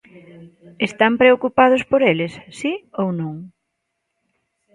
¿Están preocupados por eles?, ¿si ou non?